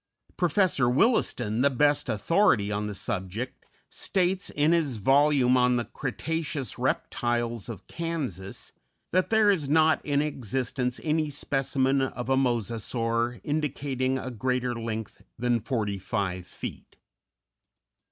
Professor Williston, the best authority on the subject, states, in his volume on the "Cretaceous Reptiles of Kansas," that there is not in existence any specimen of a Mosasaur indicating a greater length than 45 feet.